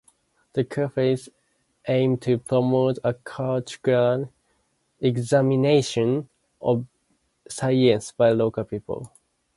The Cafes aim to promote a cultural examination of science by local people.